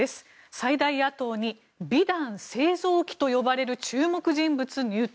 最大野党に美談製造機と呼ばれる注目人物、入党。